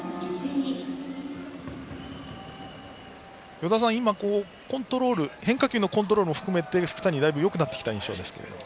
与田さん、変化球のコントロールも含めて福谷、だいぶよくなってきた印象ですけども。